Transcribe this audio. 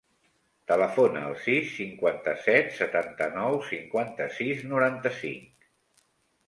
Telefona al sis, cinquanta-set, setanta-nou, cinquanta-sis, noranta-cinc.